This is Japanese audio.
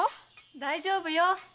大丈夫よ。